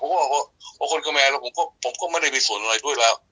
เป็นคนค่ะแม่ผมก็ไม่ได้ไปส่วนอะไรด้วยแล้ว